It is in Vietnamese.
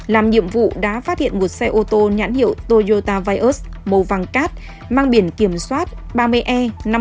làm nhiệm vụ đã phát hiện một xe ô tô nhãn hiệu toyota vios màu vàng cát mang biển kiểm soát ba mươi e năm mươi một nghìn năm trăm tám mươi